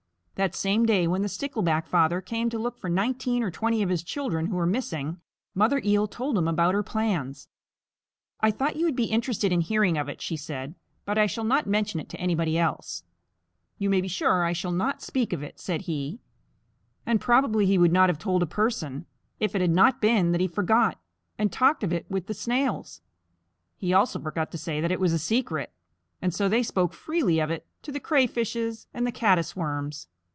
That same day when the Stickleback Father came to look for nineteen or twenty of his children who were missing, Mother Eel told him about her plans. "I thought you would be interested in hearing of it," she said, "but I shall not mention it to anybody else." "You may be sure I shall not speak of it," said he. And probably he would not have told a person, if it had not been that he forgot and talked of it with the Snails. He also forgot to say that it was a secret, and so they spoke freely of it to the Crayfishes and the Caddis Worms.